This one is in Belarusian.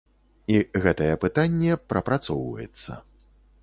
І гэтае пытанне прапрацоўваецца.